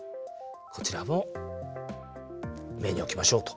こちらも目に置きましょうと。